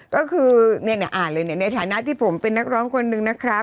ก็คือเนี่ยอ่านเลยเนี่ยในฐานะที่ผมเป็นนักร้องคนหนึ่งนะครับ